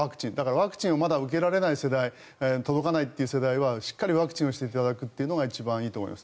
ワクチンをまだ受けられない世代届かないという世代はしっかりワクチンをしていただくのがいいと思います。